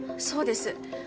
そうです。